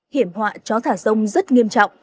hiểm họa chó thả sông rất nghiêm trọng